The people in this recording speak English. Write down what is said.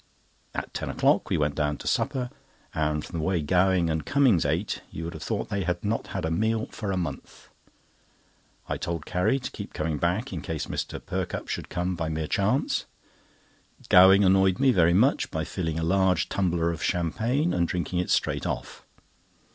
At ten o'clock we went down to supper, and from the way Gowing and Cummings ate you would have thought they had not had a meal for a month. I told Carrie to keep something back in case Mr. Perkupp should come by mere chance. Gowing annoyed me very much by filling a large tumbler of champagne, and drinking it straight off.